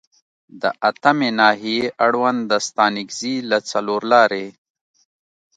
د اتمې ناحیې اړوند د ستانکزي له څلورلارې